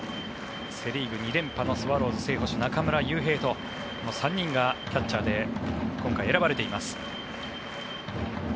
セ・リーグ２連覇のスワローズ正捕手、中村悠平と３人がキャッチャーで今回、選ばれています。